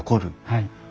はい。